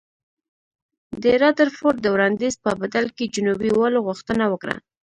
د رادرفورډ د وړاندیز په بدل کې جنوبي والو غوښتنه وکړه.